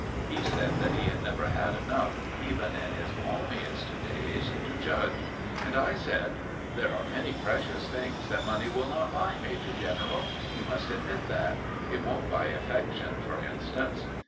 He said that he had never had enough, even in his palmiest days, to judge; and I said— "There are many precious things that money will not buy, major general. You must admit that. It won't buy affection, for instance."